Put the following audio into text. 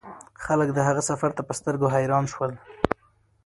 خلک د هغه سفر ته په سترګو حیران شول.